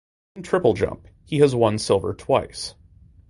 In triple jump he has won silver twice.